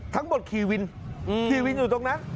ทั้งหมดขี่วินขี่วินอยู่ตรงนั้น